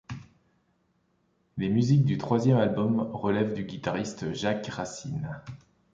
Les musiques du troisième album relèvent du guitariste Jacques Racine.